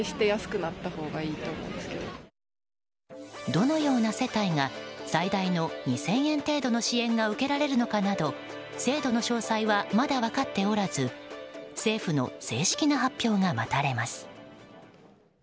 どのような世帯が最大の２０００円程度の支援が受けられるかなど制度の詳細はまだ分かっておらず政府の正式な発表が待たれます。